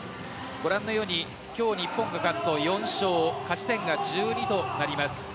ご覧のように今日、日本が勝つと４勝勝ち点が１２となります。